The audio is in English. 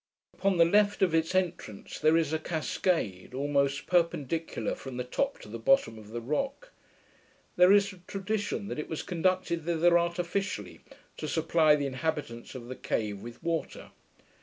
Upon the left of its entrance there is a cascade, almost perpendicular from the top to the bottom of the rock. There is a tradition that it was conducted thither artificially, to supply the inhabitants of the cave with water.